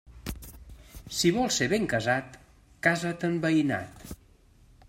Si vols ser ben casat, casa't en veïnat.